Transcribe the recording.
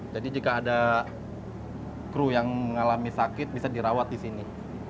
jadi jika ada kru yang mengalami sakit bisa dirawat di sini